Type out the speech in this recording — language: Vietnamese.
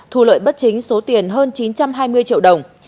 thu lợi bất chính số tiền hơn chín trăm hai mươi triệu đồng